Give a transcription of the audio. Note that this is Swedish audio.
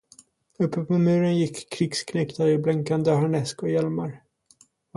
Uppe på muren gick krigsknektar i blänkande harnesk och hjälmar.